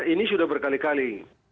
ini sudah berkali kali